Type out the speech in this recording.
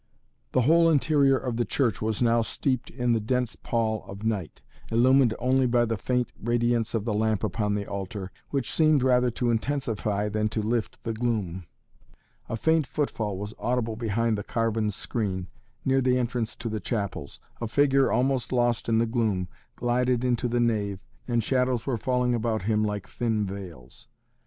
The whole interior of the church was now steeped in the dense pall of night, illumined only by the faint radiance of the lamp upon the altar, which seemed rather to intensify than to lift the gloom. A faint footfall was audible behind the carven screen, near the entrance to the chapels. A figure, almost lost in the gloom, glided into the nave, and shadows were falling about him like thin veils.